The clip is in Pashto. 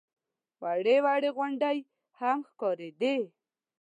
وړې وړې غونډۍ هم ښکارېدې.